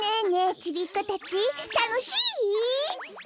ちびっこたちたのしイ？